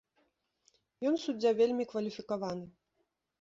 Ён суддзя вельмі кваліфікаваны.